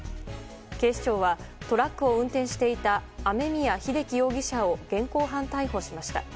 警視庁はトラックを運転していた雨宮秀樹容疑者を現行犯逮捕しました。